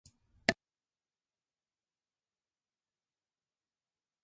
連打したら減点になりますよ